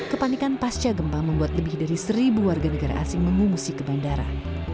kepanikan pasca gempa membuat lebih dari seribu warga negara asing mengungsi ke bandara